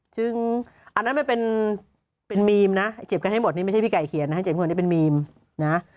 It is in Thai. จึงอันนั้นไม่เป็นเมมนะเจ็บกันให้หมดนี่ไม่ใช่พี่ไก่เขียนนะเจ็บกันให้เป็นเมมนะ